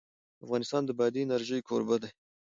افغانستان د بادي انرژي کوربه دی.